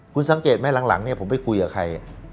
คุณสังเกตไหมหลังเนี่ยผมไปคุยกับใคร